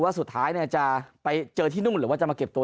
สุดท้ายจะไปเจอที่นู่นหรือว่าจะมาเก็บตัว